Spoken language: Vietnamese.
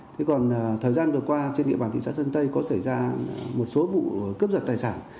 thế còn thời gian vừa qua trên địa bàn thị xã sơn tây có xảy ra một số vụ cướp giật tài sản